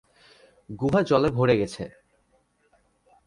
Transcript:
গুহা জলে ভরে গেছে।